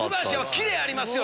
切れありますよ